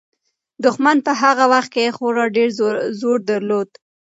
دښمن په هغه وخت کې خورا ډېر زور درلود.